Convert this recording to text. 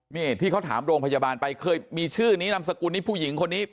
นี่ที่เขาถามโรงพยาบาลไปเคยมีชื่อนี้นามสกุลนี้ผู้หญิงคนนี้